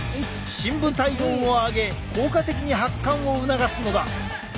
深部体温を上げ効果的に発汗を促すのだ。